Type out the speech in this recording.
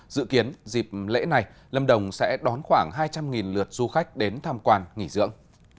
dự kiến dịp lễ này lâm đồng sẽ đón khoảng hai trăm linh lượt du khách đến tham quan nghỉ dưỡng